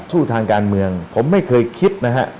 สู้ทางการเมืองผมไม่เคยคิดนะฮะ